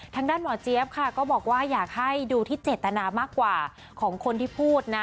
ทางด้านหมอเจี๊ยบค่ะก็บอกว่าอยากให้ดูที่เจตนามากกว่าของคนที่พูดนะ